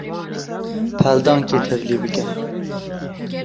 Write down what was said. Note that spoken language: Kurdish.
Peldankê tevlî bike.